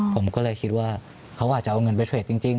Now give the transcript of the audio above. ผมก็เลยคิดว่าเขาอาจจะเอาเงินไปเทรดจริง